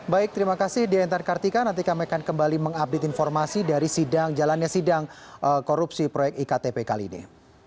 baik terima kasih dea entar kartika nanti kami akan kembali mengupdate informasi dari sidang jalannya sidang korupsi proyek iktp kali ini